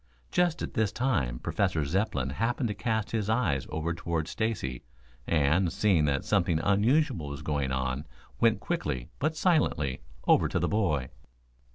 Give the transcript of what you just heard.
Just at this time Professor Zepplin happened to cast his eyes over toward Stacy and, seeing that something unusual was going on, went quickly but silently over to the boy.